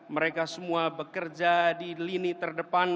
mereka semua bekerja di lini terdepan